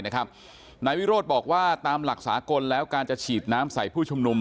นายวิโรธบอกว่าตามหลักสากลแล้วการจะฉีดน้ำใส่ผู้ชุมนุม